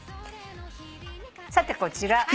さてこちら。